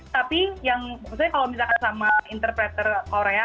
tapi yang maksudnya kalau misalkan sama interpreter korea